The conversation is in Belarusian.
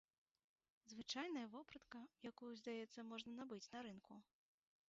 Звычайная вопратка, якую, здаецца, можна набыць на рынку.